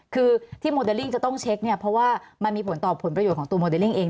คือที่โมเดลลิ่งจะต้องเช็คเนี่ยเพราะว่ามันมีผลต่อผลประโยชนของตัวโมเดลลิ่งเอง